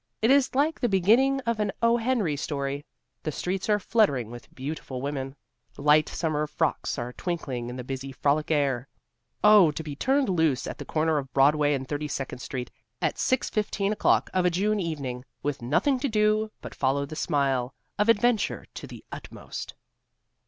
It is like the beginning of an O. Henry story. The streets are fluttering with beautiful women; light summer frocks are twinkling in the busy frolic air. Oh, to be turned loose at the corner of Broadway and Thirty second Street at 6:15 o'clock of a June evening, with nothing to do but follow the smile of adventure to the utmost!